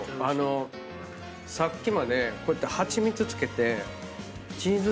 あのさっきまでこうやってハチミツ付けて。